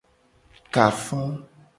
Ka afa.